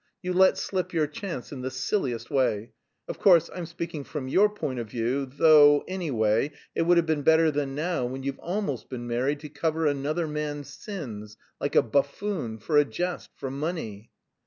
You let slip your chance in the silliest way. Of course, I'm speaking from your point of view, though, anyway, it would have been better than now when you've almost been married to 'cover another man's sins,' like a buffoon, for a jest, for money."